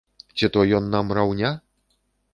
Ці то ён нам раўня?